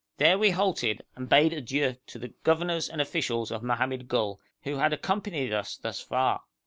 There we halted, and bade adieu to the governors and officials of Mohammed Gol, who had accompanied us thus far.